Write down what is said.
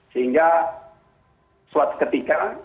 sehingga suatu ketika